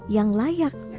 yang layak menerima kebaikan